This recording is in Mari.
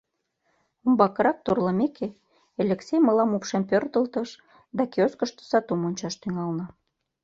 Умбакырак торлымеке, Элексей мылам упшем пӧртылтыш, да киоскышто сатум ончаш тӱҥална.